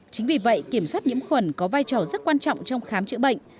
chính vì vậy kiểm soát nhiễm khuẩn có vai trò rất quan trọng trong khám chữa bệnh